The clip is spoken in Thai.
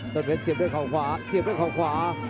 ต้นเพชรเสียบด้วยเขาขวาเสียบด้วยเขาขวา